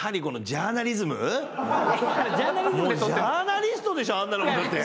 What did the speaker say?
ジャーナリストでしょあんなのだって。